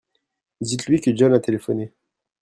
Dites-lui que John a téléphoné.